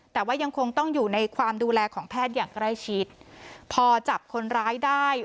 แต่ว่ายังคงต้องอยู่ในความดูแลของแพทย์อย่างใกล้ชิดพอจับคนร้ายได้